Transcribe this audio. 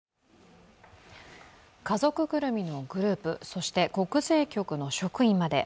家族ぐるみのグループ、そして国税局の職員まで。